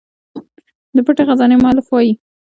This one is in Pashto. د پټې خزانې مولف وايي بي بي زینب ادیبه او شاعره هم وه.